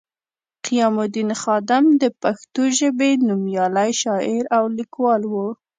قیام الدین خادم د پښتو ژبې نومیالی شاعر او لیکوال وو